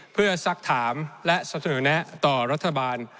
เพื่อสักถามและเสนอแนะต่อรัฐบาล